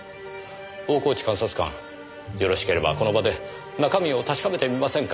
大河内監察官よろしければこの場で中身を確かめてみませんか。